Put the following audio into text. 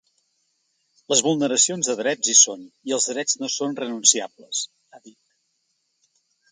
Les vulneracions de drets hi són, i els drets no són renunciables, ha dit.